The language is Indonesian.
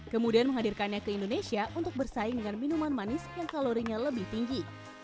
kemudian menghadirkannya ke indonesia untuk bersaing dengan minuman manis yang kalorinya lebih tinggi